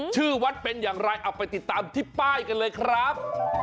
ชื่อวัดเป็นอย่างไรเอาไปติดตามที่ป้ายกันเลยครับ